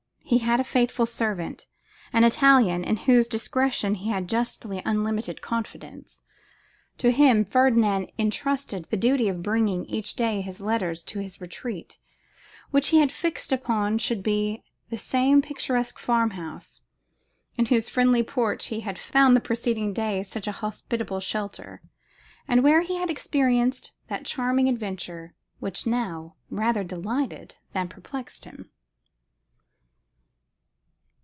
He had a faithful servant, an Italian, in whose discretion he had justly unlimited confidence. To him Ferdinand intrusted the duty of bringing, each day, his letters to his retreat, which he had fixed upon should be that same picturesque farm house, in whose friendly porch he had found the preceding day such a hospitable shelter, and where he had experienced that charming adventure which now rather delighted than perplexed him.